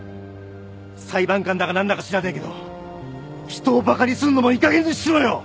裁判官だか何だか知らねえけど人をバカにすんのもいいかげんにしろよ！